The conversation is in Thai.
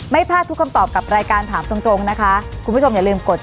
ไม่พลาดทุกคำตอบกับรายการถามตรงนะคะคุณผู้ชมอย่าลืมกด